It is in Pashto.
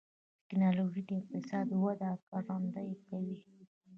ټکنالوجي د اقتصاد وده ګړندۍ کوي.